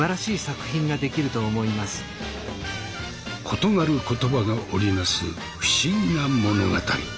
異なる言葉が織り成す不思議な物語。